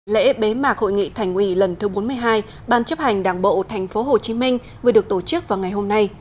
lễ bế mạc hội nghị thành ủy lần thứ bốn mươi hai ban chấp hành đảng bộ tp hcm vừa được tổ chức vào ngày hôm nay